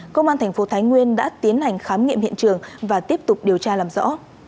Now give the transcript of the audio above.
công an thành phố thái nguyên đã tiến hành khám nghiệm hiện trường và tiếp tục điều tra làm rõ